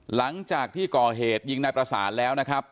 หลังจากที่ก่อเหตุยิงนายประสานแล้วนะครับ